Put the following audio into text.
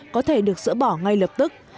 có thể được sửa bỏ ngay lập tức